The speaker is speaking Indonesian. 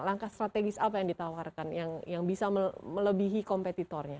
langkah strategis apa yang ditawarkan yang bisa melebihi kompetitornya